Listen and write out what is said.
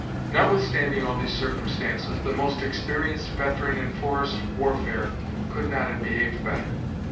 Notwithstanding all these circumstances, the most experienced veteran in forest warfare could not have behaved better.